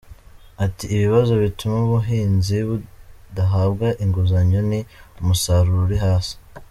Ati “ Ibibazo bituma ubuhinzi budahabwa inguzanyo ni umusaruro uri hasi.